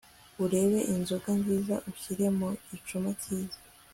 urebe inzoga nziza ushyire mu gicuma cyiza